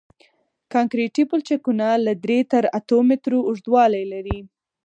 کانکریټي پلچکونه له درې تر اتو مترو اوږدوالی لري